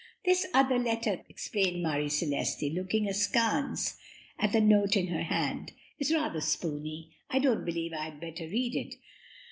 "This other letter," explained Marie Celeste, looking askance at the note in her hand, "is rather spooney; I don't believe I had better read it."